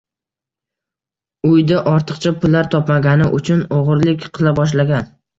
Uyda ortiqcha pullar topmagani uchun o‘g‘rilik qila boshlagan.